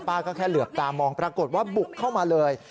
แค่เหลือบตามองปรากฏว่าบุกเข้ามาเลย